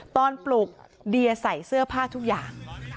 ปลุกเดียใส่เสื้อผ้าทุกอย่าง